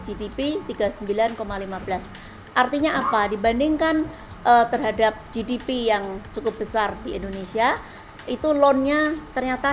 gdp tiga puluh sembilan lima belas artinya apa dibandingkan terhadap gdp yang cukup besar di indonesia itu lone nya ternyata